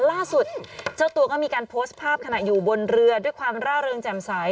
ล่าสุดเจ้าตัวก็มีการโพสต์ภาพขณะอยู่บนเรือด้วยความร่าเริงแจ่มใส